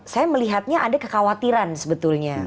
saya melihatnya ada kekhawatiran sebetulnya